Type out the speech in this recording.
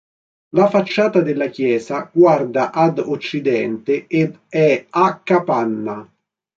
La facciata della chiesa guarda ad occidente ed è a capanna.